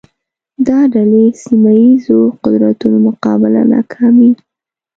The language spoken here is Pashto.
دا ډلې سیمه ییزو قدرتونو مقابله ناکامې